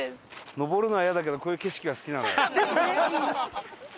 上るのはイヤだけどこういう景色は好きなのよ。